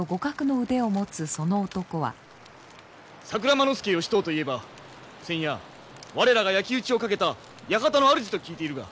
桜間ノ介能遠といえば先夜我らが焼き打ちをかけた館のあるじと聞いているが？